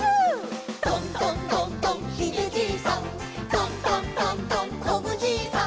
「トントントントンこぶじいさん」